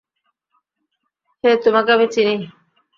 হে তোমাকে আমি চিনি।